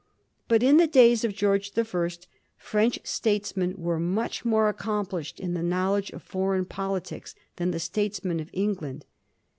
But in the days of George the First, French statesmen were much more accomplished in the knowledge of foreign politics than the statesmen of England.